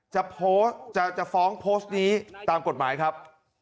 จะฟ้องโพสต์นี้ตามกฎหมายครับ